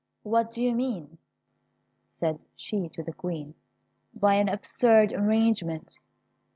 "What do you mean," said she to the Queen, "by an absurd arrangement!